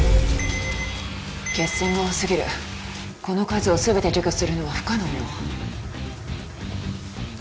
血栓が多すぎるこの数を全て除去するのは不可能よ